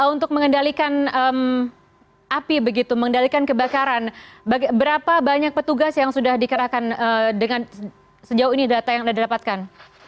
untuk mengendalikan api begitu mengendalikan kebakaran berapa banyak petugas yang sudah dikerahkan dengan sejauh ini data yang anda dapatkan